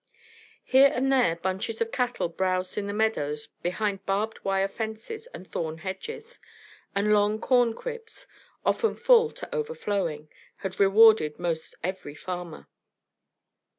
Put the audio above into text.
Here and there bunches of cattle browsed in the meadows behind barbed wire fences and thorn hedges; and long corn cribs, often full to overflowing, had rewarded most every farmer.